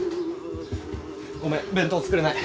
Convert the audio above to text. ごめん弁当作れない。